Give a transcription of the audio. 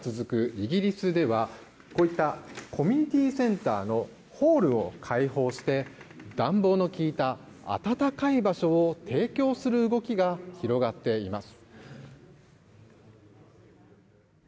イギリスではこういったコミュニティーセンターのホールを開放して暖房の利いた暖かい場所を提供する動きが広がっています。